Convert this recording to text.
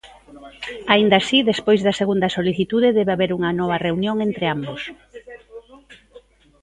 Aínda así, despois da segunda solicitude debe haber unha nova reunión entre ambos.